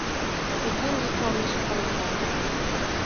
Te kengî Tomî ji xewê rakir?